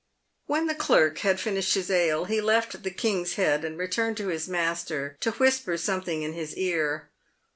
When the clerk had finished his ale, he left the King's Head 206 PAVED WITH GOLD. and returned to his master to whisper something in his ear.